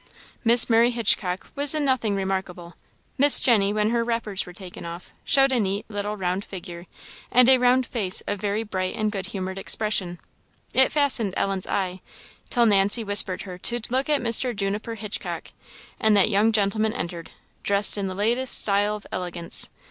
Miss Mary Hitchcock was in nothing remarkable. Miss Jenny, when her wrappers were taken off, showed a neat, little, round figure, and a round face of very bright and good humoured expression. It fastened Ellen's eye, till Nancy whispered her to look at Mr. Juniper Hitchcock, and that young gentleman entered, dressed in the last style of elegance.